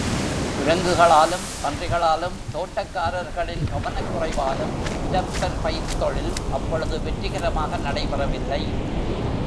குரங்குகளாலும், பன்றிகளாலும் தோட்டக்காரர்களின் கவனக் குறைவாலும் இரப்பர் பயிர்த்தொழில் அப்பொழுது வெற்றிகரமாக நடைபெறவில்லை.